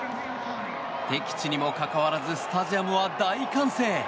敵地にもかかわらずスタジアムは大歓声。